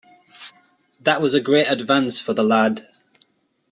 That was a great advance for the lad.